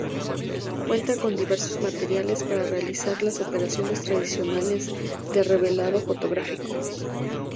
Cuenta con diversos materiales para realizar las operaciones tradicionales de revelado fotográfico.